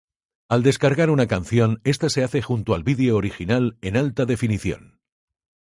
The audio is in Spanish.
Al descargar una canción esta se hace junto al video original en alta definición.